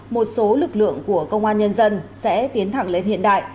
một số lực lượng của công an nhân dân sẽ tiến thẳng lên hiện đại